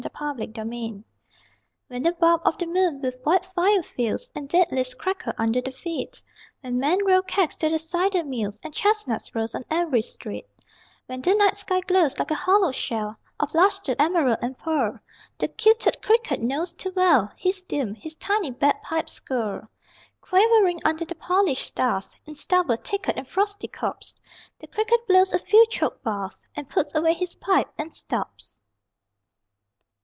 THE LAST CRICKET When the bulb of the moon with white fire fills And dead leaves crackle under the feet, When men roll kegs to the cider mills And chestnuts roast on every street; When the night sky glows like a hollow shell Of lustered emerald and pearl, The kilted cricket knows too well His doom. His tiny bagpipes skirl. Quavering under the polished stars In stubble, thicket, and frosty copse The cricket blows a few choked bars, And puts away his pipe and stops.